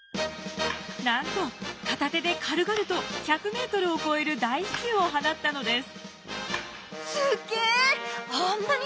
なんと片手で軽々と１００ｍを超える大飛球を放ったのです。